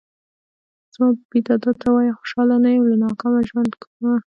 زما بې بې دادا ته وايه خوشحاله نه يم له ناکامه ژوند کومه